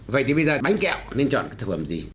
vậy thì bây giờ bánh kẹo nên chọn thực phẩm gì